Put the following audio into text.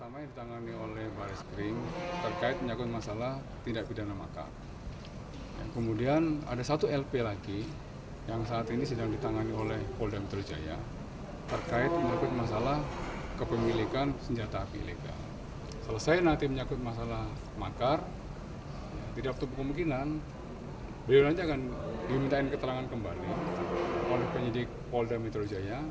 mungkinan beliau nanti akan diminta keterangan kembali oleh penyidik poldai metro jaya